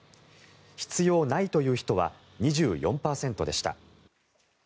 必要ないという人は２４％でした。